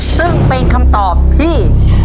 ซึ่งเป็นคำตอบที่